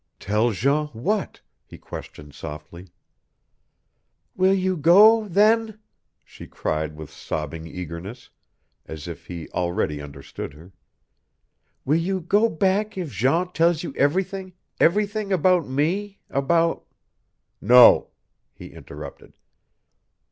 "Tell Jean what?" he questioned softly. "Will you go then?" she cried with sobbing eagerness, as if he already understood her. "Will you go back if Jean tells you everything everything about me about " "No," he interrupted.